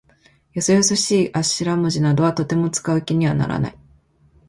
よそよそしい頭文字などはとても使う気にならない。